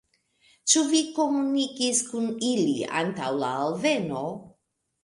Ĉu vi komunikis kun ili antaŭ la alveno?